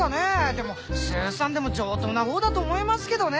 でもスーさんでも上等なほうだと思いますけどね。